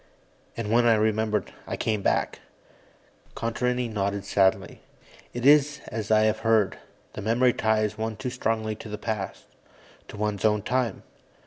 And when I remembered, I came back." Contarini nodded sadly. "It is as I have heard. The memory ties one too strongly to the past to one's own time.